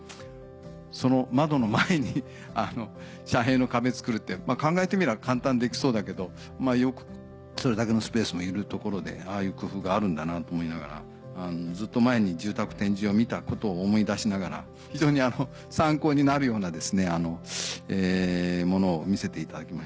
その窓の前に遮蔽の壁造るって考えてみれば簡単にできそうだけどそれだけのスペースもいるところでああいう工夫があるんだなと思いながらずっと前に住宅展示場を見たことを思い出しながら非常に参考になるようなものを見せていただきました。